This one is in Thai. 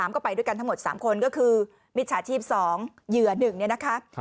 ก็ไปด้วยกันทั้งหมด๓คนก็คือมิจฉาชีพ๒เหยื่อ๑เนี่ยนะคะ